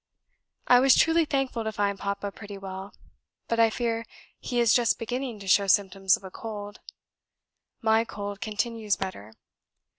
I was truly thankful to find Papa pretty well, but I fear he is just beginning to show symptoms of a cold: my cold continues better.